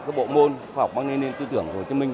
các môn khoa học mark lenin tư tưởng hồ chí minh